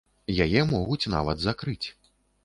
Яе могуць нават закрыць.